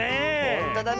ほんとだね。